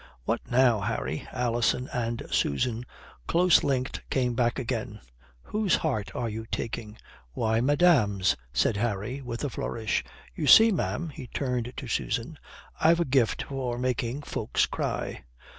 "What now, Harry?" Alison and Susan close linked came back again. "Whose heart are you taking?" "Why, madame's," said Harry, with a flourish. "You see, ma'am," he turned to Susan, "I've a gift for making folks cry."